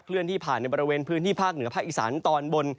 เลื่อนที่ผ่านในบริเวณพื้นที่ภาคเหนือภาคอีสานตอนบน